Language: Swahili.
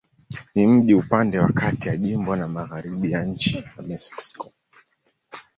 Ni mji upande wa kati ya jimbo na magharibi ya nchi Mexiko.